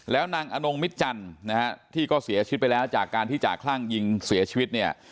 แล้วนางอนงมิตจันทร์นะฮะที่ก็เสียชีวิตไปแล้วจากการที่จ่าคลั่งยิงเสียชีวิตเนี่ย